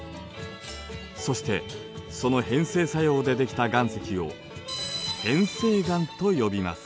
そしてその変成作用でできた岩石を変成岩と呼びます。